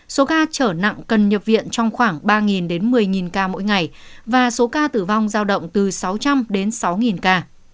số ca trở nặng cần nhập viện trong khoảng ba một mươi ca mỗi ngày và số ca tử vong giao động từ sáu triệu ca